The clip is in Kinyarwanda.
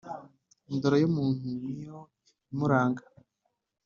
indoro y’umuntu ni yo imuranga,